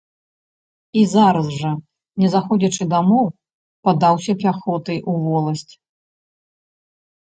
І зараз жа, не заходзячы дамоў, падаўся пяхотай у воласць.